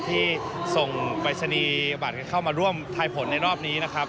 ที่ส่งปรายศนีย์บัตรเข้ามาร่วมทายผลในรอบนี้นะครับ